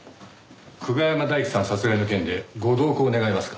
久我山大樹さん殺害の件でご同行願えますか？